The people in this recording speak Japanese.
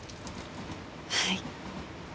はい。